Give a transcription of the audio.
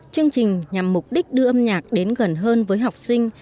chương trình nhằm mục đích đưa âm nhạc đến gần hơn với học sinh